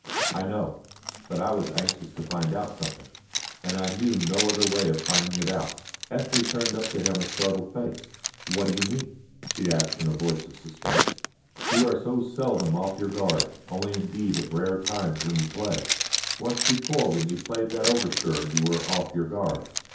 "I know. But I was anxious to find out something, and I knew no other way of finding it out." Ethne turned up to him a startled face. "What do you mean?" she asked in a voice of suspense. "You are so seldom off your guard. Only indeed at rare times when you play. Once before when you played that overture you were off your guard.